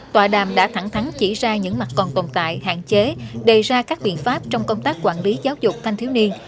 tòa đàm đã thẳng thắn chỉ ra những mặt còn tồn tại hạn chế đề ra các biện pháp trong công tác quản lý giáo dục thanh thiếu niên